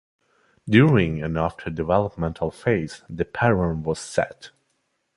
During and after this developmental phase the pattern was set.